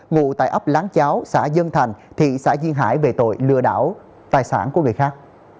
ngụ tại ấp láng cháo xã dân thành thị xã duyên hải về tội lừa đảo tài sản của người khác